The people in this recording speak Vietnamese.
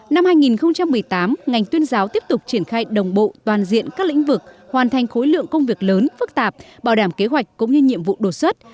năm hai nghìn một mươi tám ngành tuyên giáo tiếp tục triển khai đồng bộ toàn diện các lĩnh vực hoàn thành khối lượng công việc lớn phức tạp bảo đảm kế hoạch cũng như nhiệm vụ đột xuất